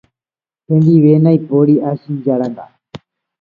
Hendive ndaipóri aichejáranga